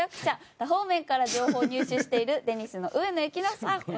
多方面から情報を入手しているデニスの植野行雄さん